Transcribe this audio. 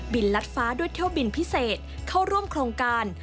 ลัดฟ้าด้วยเที่ยวบินพิเศษเข้าร่วมโครงการ